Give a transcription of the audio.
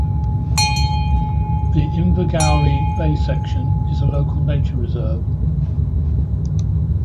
The Invergowrie Bay section is a local nature reserve.